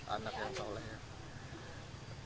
anak yang soleh